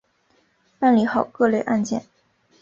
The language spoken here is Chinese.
办理好各类案件